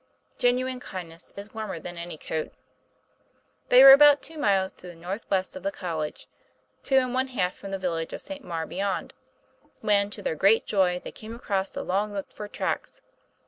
Genuine kindness is warmer than any coat. They were about two miles to the northwest of the college (two and one half from the village of St. Maure beyond) when to their great joy they came upon the long looked for tracks.